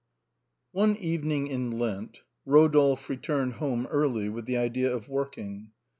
One evening in Lent Eodolphe returned home early with the idea of working.